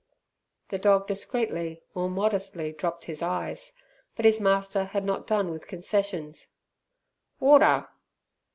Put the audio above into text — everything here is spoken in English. The dog discreetly or modestly dropped his eyes, but his master had not done with concessions. "Warder!"